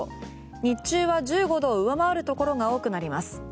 日中は１５度を上回るところが多くなります。